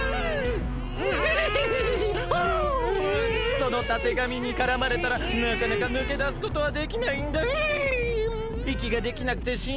そのたてがみにからまれたらなかなかぬけだすことはできないんだヒン！